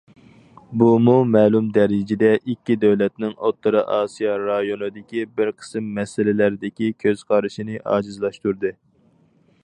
بۇمۇ مەلۇم دەرىجىدە ئىككى دۆلەتنىڭ ئوتتۇرا ئاسىيا رايونىدىكى بىر قىسىم مەسىلىلەردىكى كۆز قارشىنى ئاجىزلاشتۇردى.